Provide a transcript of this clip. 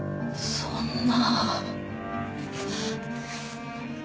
そんな。